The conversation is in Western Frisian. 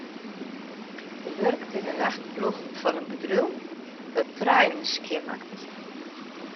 Hy wurket yn 'e nachtploech fan in bedriuw dat treinen skjinmakket.